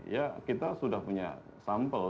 ya kita sudah punya sampel